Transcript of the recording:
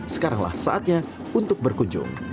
sekaranglah saatnya untuk berkunjung